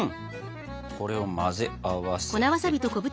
これを混ぜ合わせてと。